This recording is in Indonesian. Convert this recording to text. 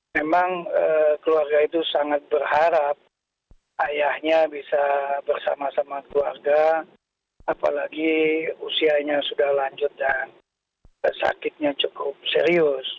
memang keluarga itu sangat berharap ayahnya bisa bersama sama keluarga apalagi usianya sudah lanjut dan sakitnya cukup serius